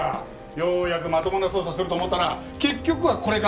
ようやくまともな捜査すると思ったら結局はこれか！